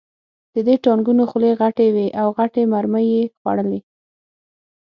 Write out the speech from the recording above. د دې ټانکونو خولې غټې وې او غټې مرمۍ یې خوړلې